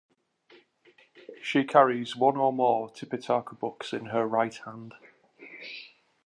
She carries one or more Tipitaka books in her right hand.